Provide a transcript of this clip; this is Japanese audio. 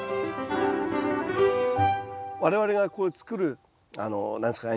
我々がこう作る何ですかね